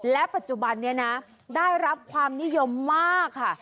และปัจจุบันนี้นะได้รับความนิยมมากค่ะ